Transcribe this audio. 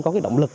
có cái động lực